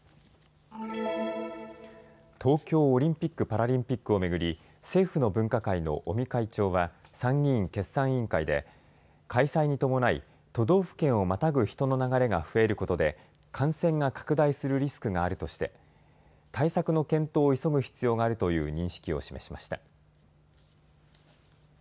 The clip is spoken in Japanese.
東京オリンピック・パラリンピックを巡り政府の分科会の尾身会長は参議院決算委員会で開催に伴い都道府県をまたぐ人の流れが増えることで感染が拡大するリスクがあるとして対策の検討を急ぐ必要があるという認識を示しました。